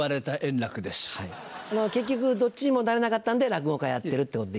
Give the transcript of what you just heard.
結局どっちにもなれなかったんで落語家やってるってことで？